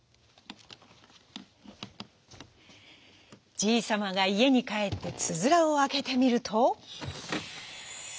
じいさまがいえにかえってつづらをあけてみると。